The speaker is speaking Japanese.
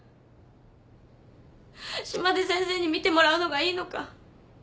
島で先生に診てもらうのがいいのか。